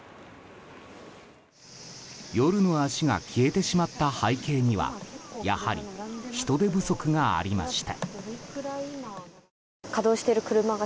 夜の足が消えてしまった背景にはやはり、人手不足がありました。